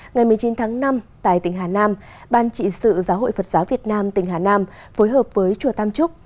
ngày một mươi chín tháng năm tại tỉnh hà nam ban trị sự giáo hội phật giáo việt nam tỉnh hà nam phối hợp với chùa tam trúc